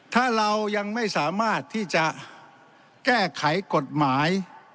ถ้าเรายังไม่สามารถที่จะแก้ไขกฎหมาย